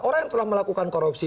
orang yang telah melakukan korupsi